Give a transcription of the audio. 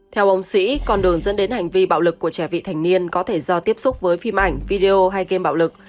theo ông sĩ con đường dẫn đến hành vi bạo lực của trẻ vị thành niên có thể do tiếp xúc với phim ảnh video hay game bạo lực